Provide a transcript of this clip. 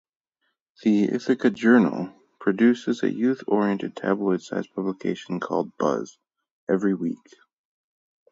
"The Ithaca Journal" produces a youth-oriented tabloid-sized publication called "Buzz" every week.